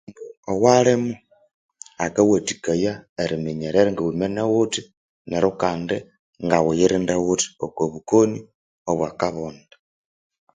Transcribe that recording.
Owalimu akawathikaya eri minyerera nga ghumene ghuthi neru kandi ngaghu yurinde ghuthi oko bukoni obwa kabonde